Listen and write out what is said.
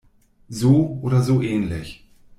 So oder so ähnlich.